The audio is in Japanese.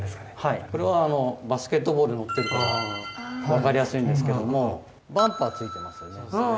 これはバスケットボール載ってるから分かりやすいんですけどもバンパーついてますよね。